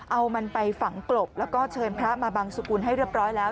เอามันไปฝังกลบแล้วก็เชิญพระมาบังสุกุลให้เรียบร้อยแล้ว